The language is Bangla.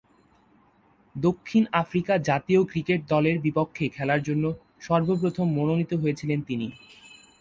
দক্ষিণ আফ্রিকা জাতীয় ক্রিকেট দলের বিপক্ষে খেলার জন্য সর্বপ্রথম মনোনীত হয়েছিলেন তিনি।